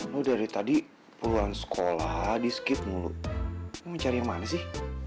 lo dari tadi puluhan sekolah di skip mulu lo mau cari yang mana sih